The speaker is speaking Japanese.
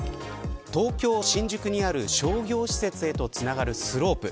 東京、新宿にある商業施設へとつながるスロープ。